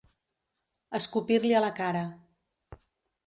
Escopir-li a la cara.